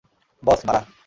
বস, মারা।